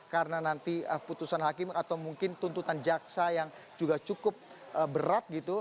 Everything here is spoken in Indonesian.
karena nanti putusan hakim atau mungkin tuntutan jaksa yang juga cukup berat gitu